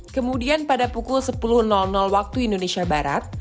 kemudian pada pukul sepuluh waktu indonesia barat